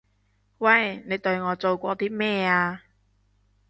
喂！你對我做過啲咩啊？